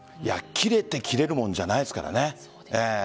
切れて切れるものじゃないですからね。